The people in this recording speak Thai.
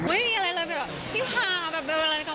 ไม่มีอะไรเลยก็อย่างนี้พี่พาวันนี้แบบอะไรกันว่า